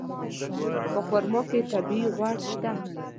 په خرما کې طبیعي غوړ شته.